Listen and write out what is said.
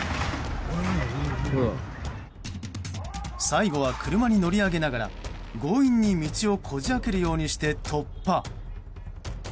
最後は車に乗り上げながら強引に道をこじ開けるようにして突破。